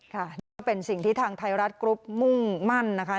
ค่ะนี่ก็เป็นสิ่งที่ทางไทยรัฐกรุ๊ปมุ่งมั่นนะคะ